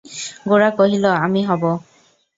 গোরা কহিল, আমি হব।